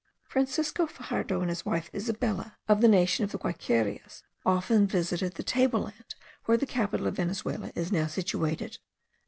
Francisco Faxardo and his wife Isabella, of the nation of the Guaiquerias,* often visited the table land where the capital of Venezuela is now situated.